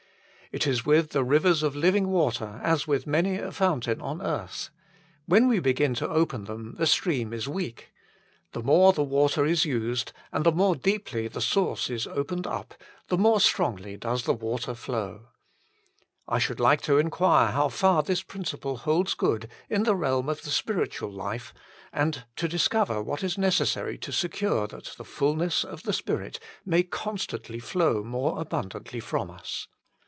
It is with the rivers of living water as with many a fountain on earth. When we begin to open them, the stream is weak. The more the water is used, and the more deeply the source is opened up, the more strongly does the water flow. I should like to inquire how far this principle holds good in the realm of the spiritual HOW IT MAY BE INCREASED 109 life and to discover what is necessary to secure that the fulness of the Spirit may constantly flow more abundantly from us.